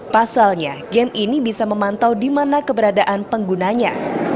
pasalnya game ini bisa memantau di mana keberadaan penggunanya